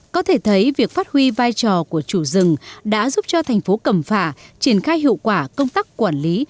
có thể thấy việc phát huy vai trò của chủ rừng đã giúp cho thành phố cẩm phả triển khai hiệu quả công tác quản lý